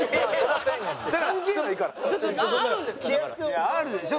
いやあるでしょ